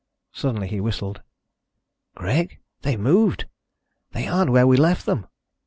Suddenly he whistled. "Greg, they've moved! They aren't where we left them!"